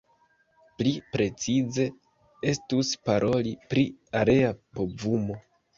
Pli precize estus paroli pri area povumo.